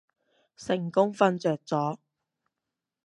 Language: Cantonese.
成功瞓着咗